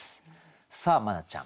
さあ茉奈ちゃん